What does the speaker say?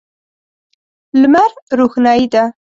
لمر روښنايي ده.